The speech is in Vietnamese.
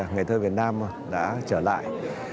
ngày thơ việt nam đã trở lại